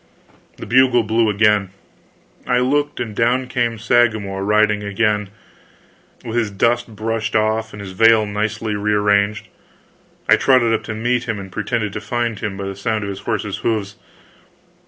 The bugle blew again. I looked, and down came Sagramor riding again, with his dust brushed off and his veil nicely re arranged. I trotted up to meet him, and pretended to find him by the sound of his horse's hoofs.